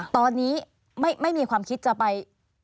ตอนนี้ไม่มีความคิดจะไป